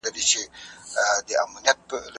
یکي یوه "یا" غلطي هم نسته پکښي..